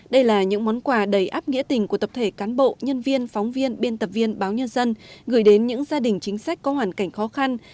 đây là những món quà đầy áp nghĩa tình của tập thể cán bộ nhân viên phóng viên biên tập viên báo nhân dân gửi đến những gia đình chính sách có hoàn cảnh khó khăn